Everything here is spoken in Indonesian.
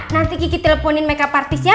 nanti kiki teleponin makeup artisnya